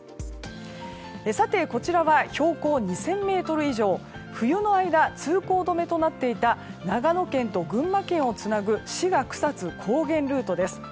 こちらは標高２０００ｍ以上冬の間、通行止めとなっていた長野県と群馬県をつなぐ志賀草津高原ルートです。